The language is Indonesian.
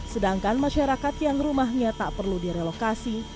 sedangkan masyarakat yang rumahnya tak perlu direlokasi